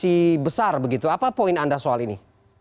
masih besar begitu apa poin anda soal ini